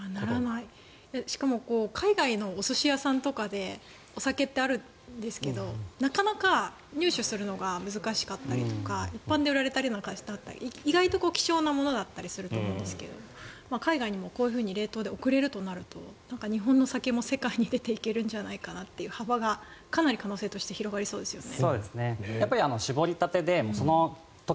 しかも海外のお寿司屋さんとかでお酒ってあるんですけどなかなか入手するのが難しかったりとか一般で売られてなかったり意外と希少なものだったりすると思うんですが海外にもこういうふうに冷凍で送れるとなると日本の酒も世界に出ていけるんじゃないかって幅が広がりそうですね。